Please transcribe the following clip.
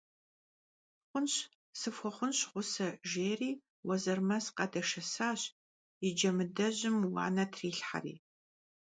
Xhunş, sıfxuexhunş ğuse, – jjêri Vuezırmec khadeşşesaş, yi Cemıdejım vuane trilhheri.